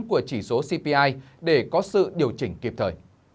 của chỉ số cpi để có sự điều chỉnh kịp thời